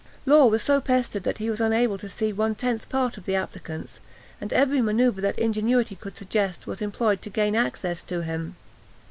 Law was so pestered that he was unable to see one tenth part of the applicants, and every manoeuvre that ingenuity could suggest was employed to gain access to him.